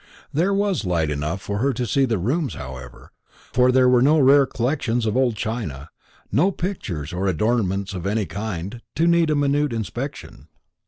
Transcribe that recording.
There was light enough for her to see the rooms, however; for there were no rare collections of old china, no pictures or adornments of any kind, to need a minute inspection.